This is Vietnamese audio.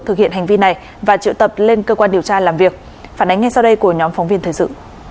thực hiện hành vi này và triệu tập lên cơ quan điều tra làm việc phản ánh ngay sau đây của nhóm phóng viên thời sự